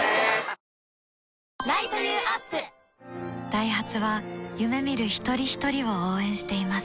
ダイハツは夢見る一人ひとりを応援しています